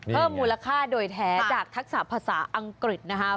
เพิ่มมูลค่าโดยแท้จากทักษะภาษาอังกฤษนะคะ